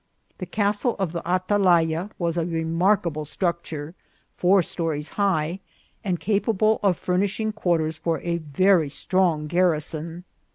The castle of the Atalaya was a remarkable structure, four stories high, and capable of furnishing quarters for a very strong garrison.